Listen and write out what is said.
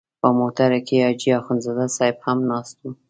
په موټر کې حاجي اخندزاده صاحب هم ناست و.